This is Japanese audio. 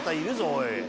おい。